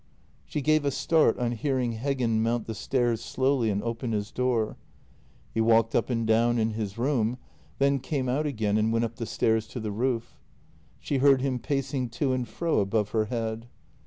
She gave a start on hearing Heggen mount the stairs slowly and open his door. He walked up and down in his room, then came out again and went up the stairs to the roof. She heard him pacing to and fro above her head.